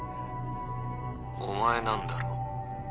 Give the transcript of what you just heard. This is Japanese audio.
お前なんだろ？